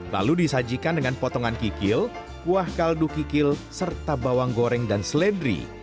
lalu disajikan dengan potongan kikil kuah kaldu kikil serta bawang goreng dan seledri